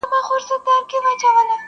مرور له پلاره ولاړی په غصه سو,